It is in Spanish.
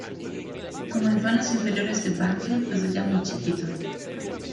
Comenzó en las inferiores de Banfield desde ya muy chiquito.